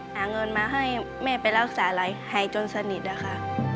หาเงินมาให้แม่ไปรักษาอะไรหายจนสนิทนะคะ